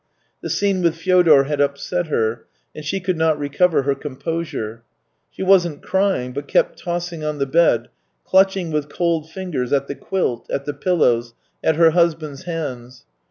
The scene with Fyodor had upset her, and she could not recover her composure. She wasn't crying but kept tossing on the bed, clutching with cold fingers at the quilt, at the pillows, at her husband's hands.